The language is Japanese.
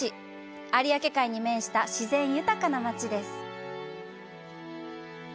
有明海に面した自然豊かな町です。